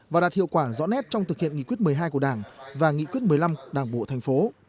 và đạt hiệu quả rõ nét trong thực hiện nghị quyết một mươi hai của đảng và nghị quyết một mươi năm đảng bộ thành phố